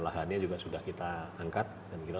lahannya juga sudah kita angkat dan kita